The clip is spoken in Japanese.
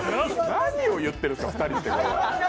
何を言ってるのか、２人して。